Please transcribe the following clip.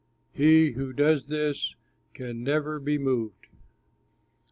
He who does this can never be moved.